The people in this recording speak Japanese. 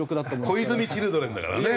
小泉チルドレンだからね。